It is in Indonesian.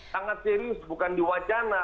sangat serius bukan diwacana